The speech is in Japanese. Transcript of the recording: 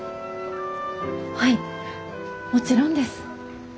はいもちろんです。